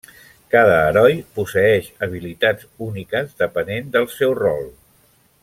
Cada heroi posseeix habilitats úniques depenent del seu rol.